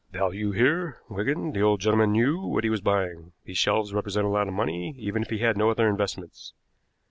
"Value here, Wigan. The old gentleman knew what he was buying. These shelves represent a lot of money, even if he had no other investments.